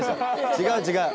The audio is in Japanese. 違う違う。